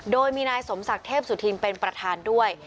โดยมีนายสมศักดิ์เทพสุธินเป็นประธานด้วย